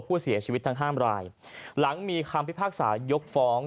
ผู้เสียชีวิตทั้งห้ามรายหลังมีคำพิพากษายกฟ้อง